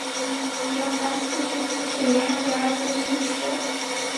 了凡四训正是袁要给儿子的训示。